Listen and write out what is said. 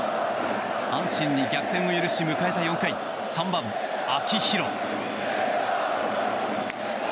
阪神に逆転を許し、迎えた４回３番、秋広。